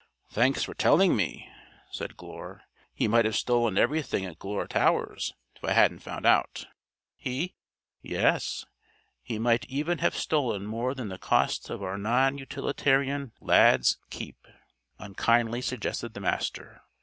"Thanks for telling me," said Glure. "He might have stolen everything at Glure Towers if I hadn't found out. He " "Yes. He might even have stolen more than the cost of our non utilitarian Lad's keep," unkindly suggested the Master.